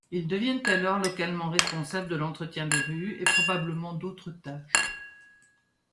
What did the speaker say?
Ils deviennent alors localement responsables de l'entretien des rues, et probablement d'autres tâches.